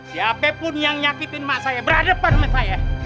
siapapun yang nyakitin mak saya berhadapan sama saya